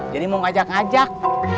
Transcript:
jadi mau ngajak ngajak